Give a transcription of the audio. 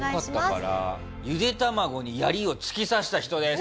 ゆでたまごに槍を突き刺した人です。